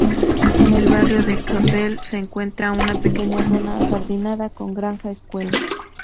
En el barrio de Kappel se encuentra una pequeña zona ajardinada con granja escuela.